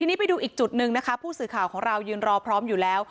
ทีนี้ไปดูอีกจุดหนึ่งนะคะผู้สื่อข่าวของเรายืนรอพร้อมอยู่แล้ว